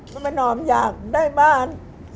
แม่มานอมอยากได้บ้าน